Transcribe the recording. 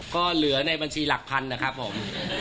ก็เหลือในบัญชีหลักพันนะครับผม